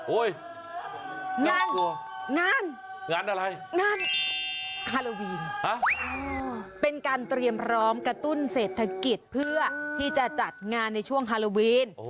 งานงานอะไรงานฮาโลวีนเป็นการเตรียมพร้อมกระตุ้นเศรษฐกิจเพื่อที่จะจัดงานในช่วงฮาโลวีน